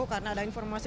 karena ada informasi